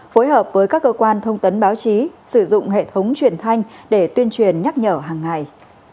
phối hợp với các cơ quan thông tấn báo chí sử dụng hệ thống truyền thanh để tuyên truyền nhắc nhở hàng ngày